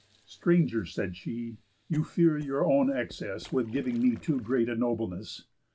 "Stranger," said she, "you fear your own excess With giving me too great a nobleness.